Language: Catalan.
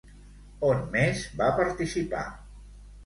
On més va participar?